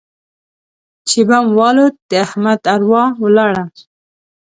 چې بم والوت؛ د احمد اروا ولاړه.